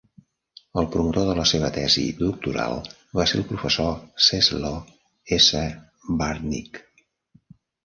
El promotor de la seva tesi doctoral va ser el professor Czeslaw S. Bartnik.